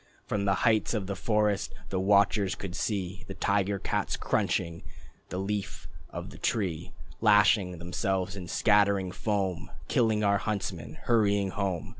From the heights of the forest the watchers could see The tiger cats crunching the Leaf of the Tree Lashing themselves, and scattering foam, Killing our huntsmen, hurrying home.